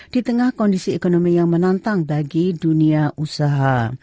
di tengah kondisi ekonomi yang menantang bagi dunia usaha